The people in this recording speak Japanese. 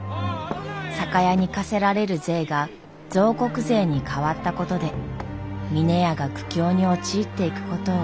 酒屋に課せられる税が造石税に変わったことで峰屋が苦境に陥っていくことを。